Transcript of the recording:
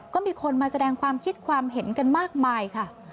ก็มีคนมาแสดงความคิดความเห็นกันมากมายค่ะ